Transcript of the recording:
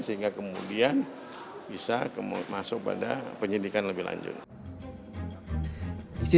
sehingga kemudian bisa masuk pada penyidikan lebih lanjut